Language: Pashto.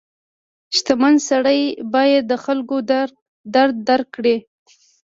• شتمن سړی باید د خلکو درد درک کړي.